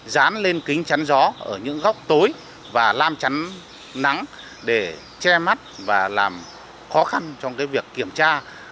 dán lên kính chắn gió ở những góc tối và lam chắn nắng để che mắt và làm khó khăn trong việc kiểm tra